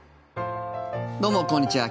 どうもこんにちは。